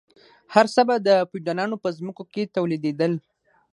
هر څه به د فیوډالانو په ځمکو کې تولیدیدل.